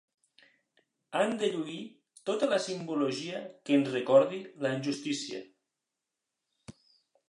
Han de lluir tota la simbologia que ens recordi la injustícia.